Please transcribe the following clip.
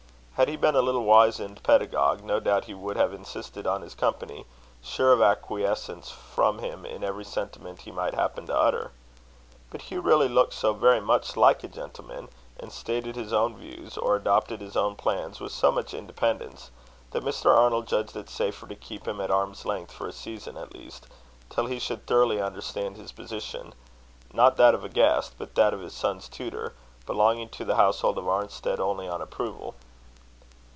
Had he been a little wizened pedagogue, no doubt he would have insisted on his company, sure of acquiescence from him in every sentiment he might happen to utter. But Hugh really looked so very much like a gentleman, and stated his own views, or adopted his own plans, with so much independence, that Mr. Arnold judged it safer to keep him at arm's length for a season at least, till he should thoroughly understand his position not that of a guest, but that of his son's tutor, belonging to the household of Arnstead only on approval.